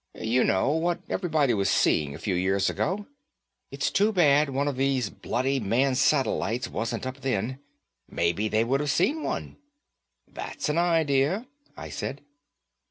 "You know, what everybody was seeing a few years ago. It's too bad one of these bloody manned satellites wasn't up then. Maybe they would've seen one." "That's an idea," I said.